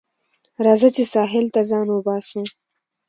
راځه چې ساحل ته ځان وباسو